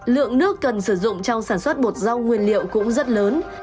lượng nước cần sử dụng trong sản xuất bột rau nguyên liệu cũng rất lớn